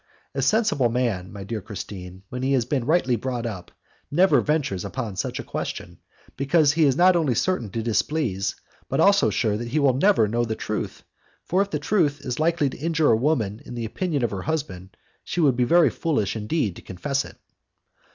A sensible man, my dear Christine, when he has been rightly brought up, never ventures upon such a question, because he is not only certain to displease, but also sure that he will never know the truth, for if the truth is likely to injure a woman in the opinion of her husband, she would be very foolish, indeed, to confess it."